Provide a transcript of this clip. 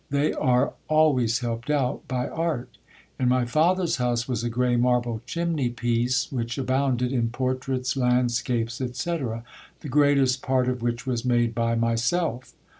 They are always helped out by art. In my father's house was a gray marble chimney piece, which abounded in portraits, landscapes, &c., the greatest part of which was made by myself."